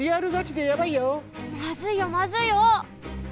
まずいよまずいよ！